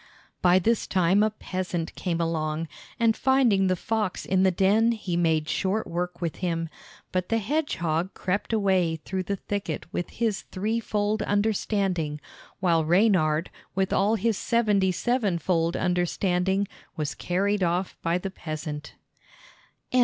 By this time a peasant came along, and finding the fox in the den he made short work with him. But the hedgehog crept away through the thicket with his threefold understanding, while Reynard, with all his seventy sevenfold understanding, was carried off by the peasant.